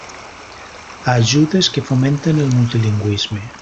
Ajudes que fomenten el multilingüisme.